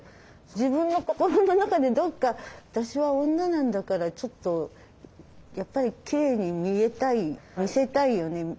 自分の心の中でどっか「私は女なんだからちょっとやっぱりきれいに見えたい見せたいよね